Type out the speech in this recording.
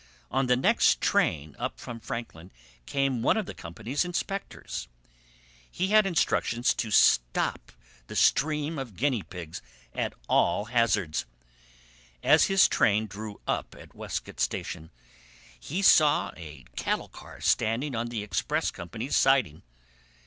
On the next train up from Franklin came one of the company's inspectors. He had instructions to stop the stream of guinea pigs at all hazards. As his train drew up at Westcote station he saw a cattle car standing on the express company's siding.